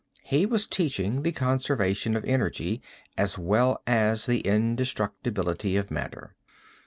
He was teaching the conservation of energy as well as the indestructibility of matter.